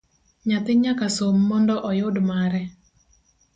Nyathi nyaka som mondo oyud mare